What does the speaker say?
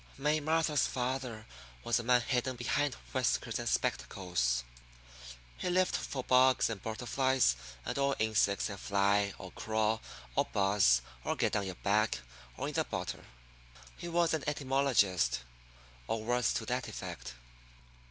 May Martha's father was a man hidden behind whiskers and spectacles. He lived for bugs and butterflies and all insects that fly or crawl or buzz or get down your back or in the butter. He was an etymologist, or words to that effect.